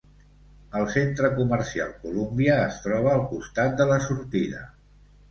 El centre comercial Columbia es troba al costat de la sortida.